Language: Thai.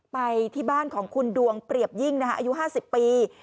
ไปที่บ้านของคุณดวงเปรียบยิ่งอายุ๕๐ปี